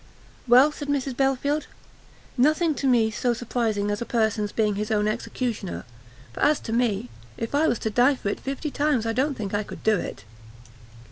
"Well," said Mrs Belfield, "nothing's to me so surprising as a person's being his own executioner, for as to me, if I was to die for it fifty times, I don't think I could do it."